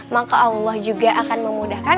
maka allah juga akan memudahkan